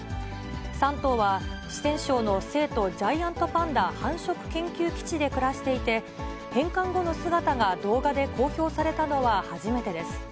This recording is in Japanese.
３頭は四川省の成都ジャイアントパンダ繁殖研究基地で暮らしていて、返還後の姿が動画で公表されたのは初めてです。